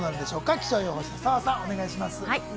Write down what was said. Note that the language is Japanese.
気象予報士の澤さん、お願いします。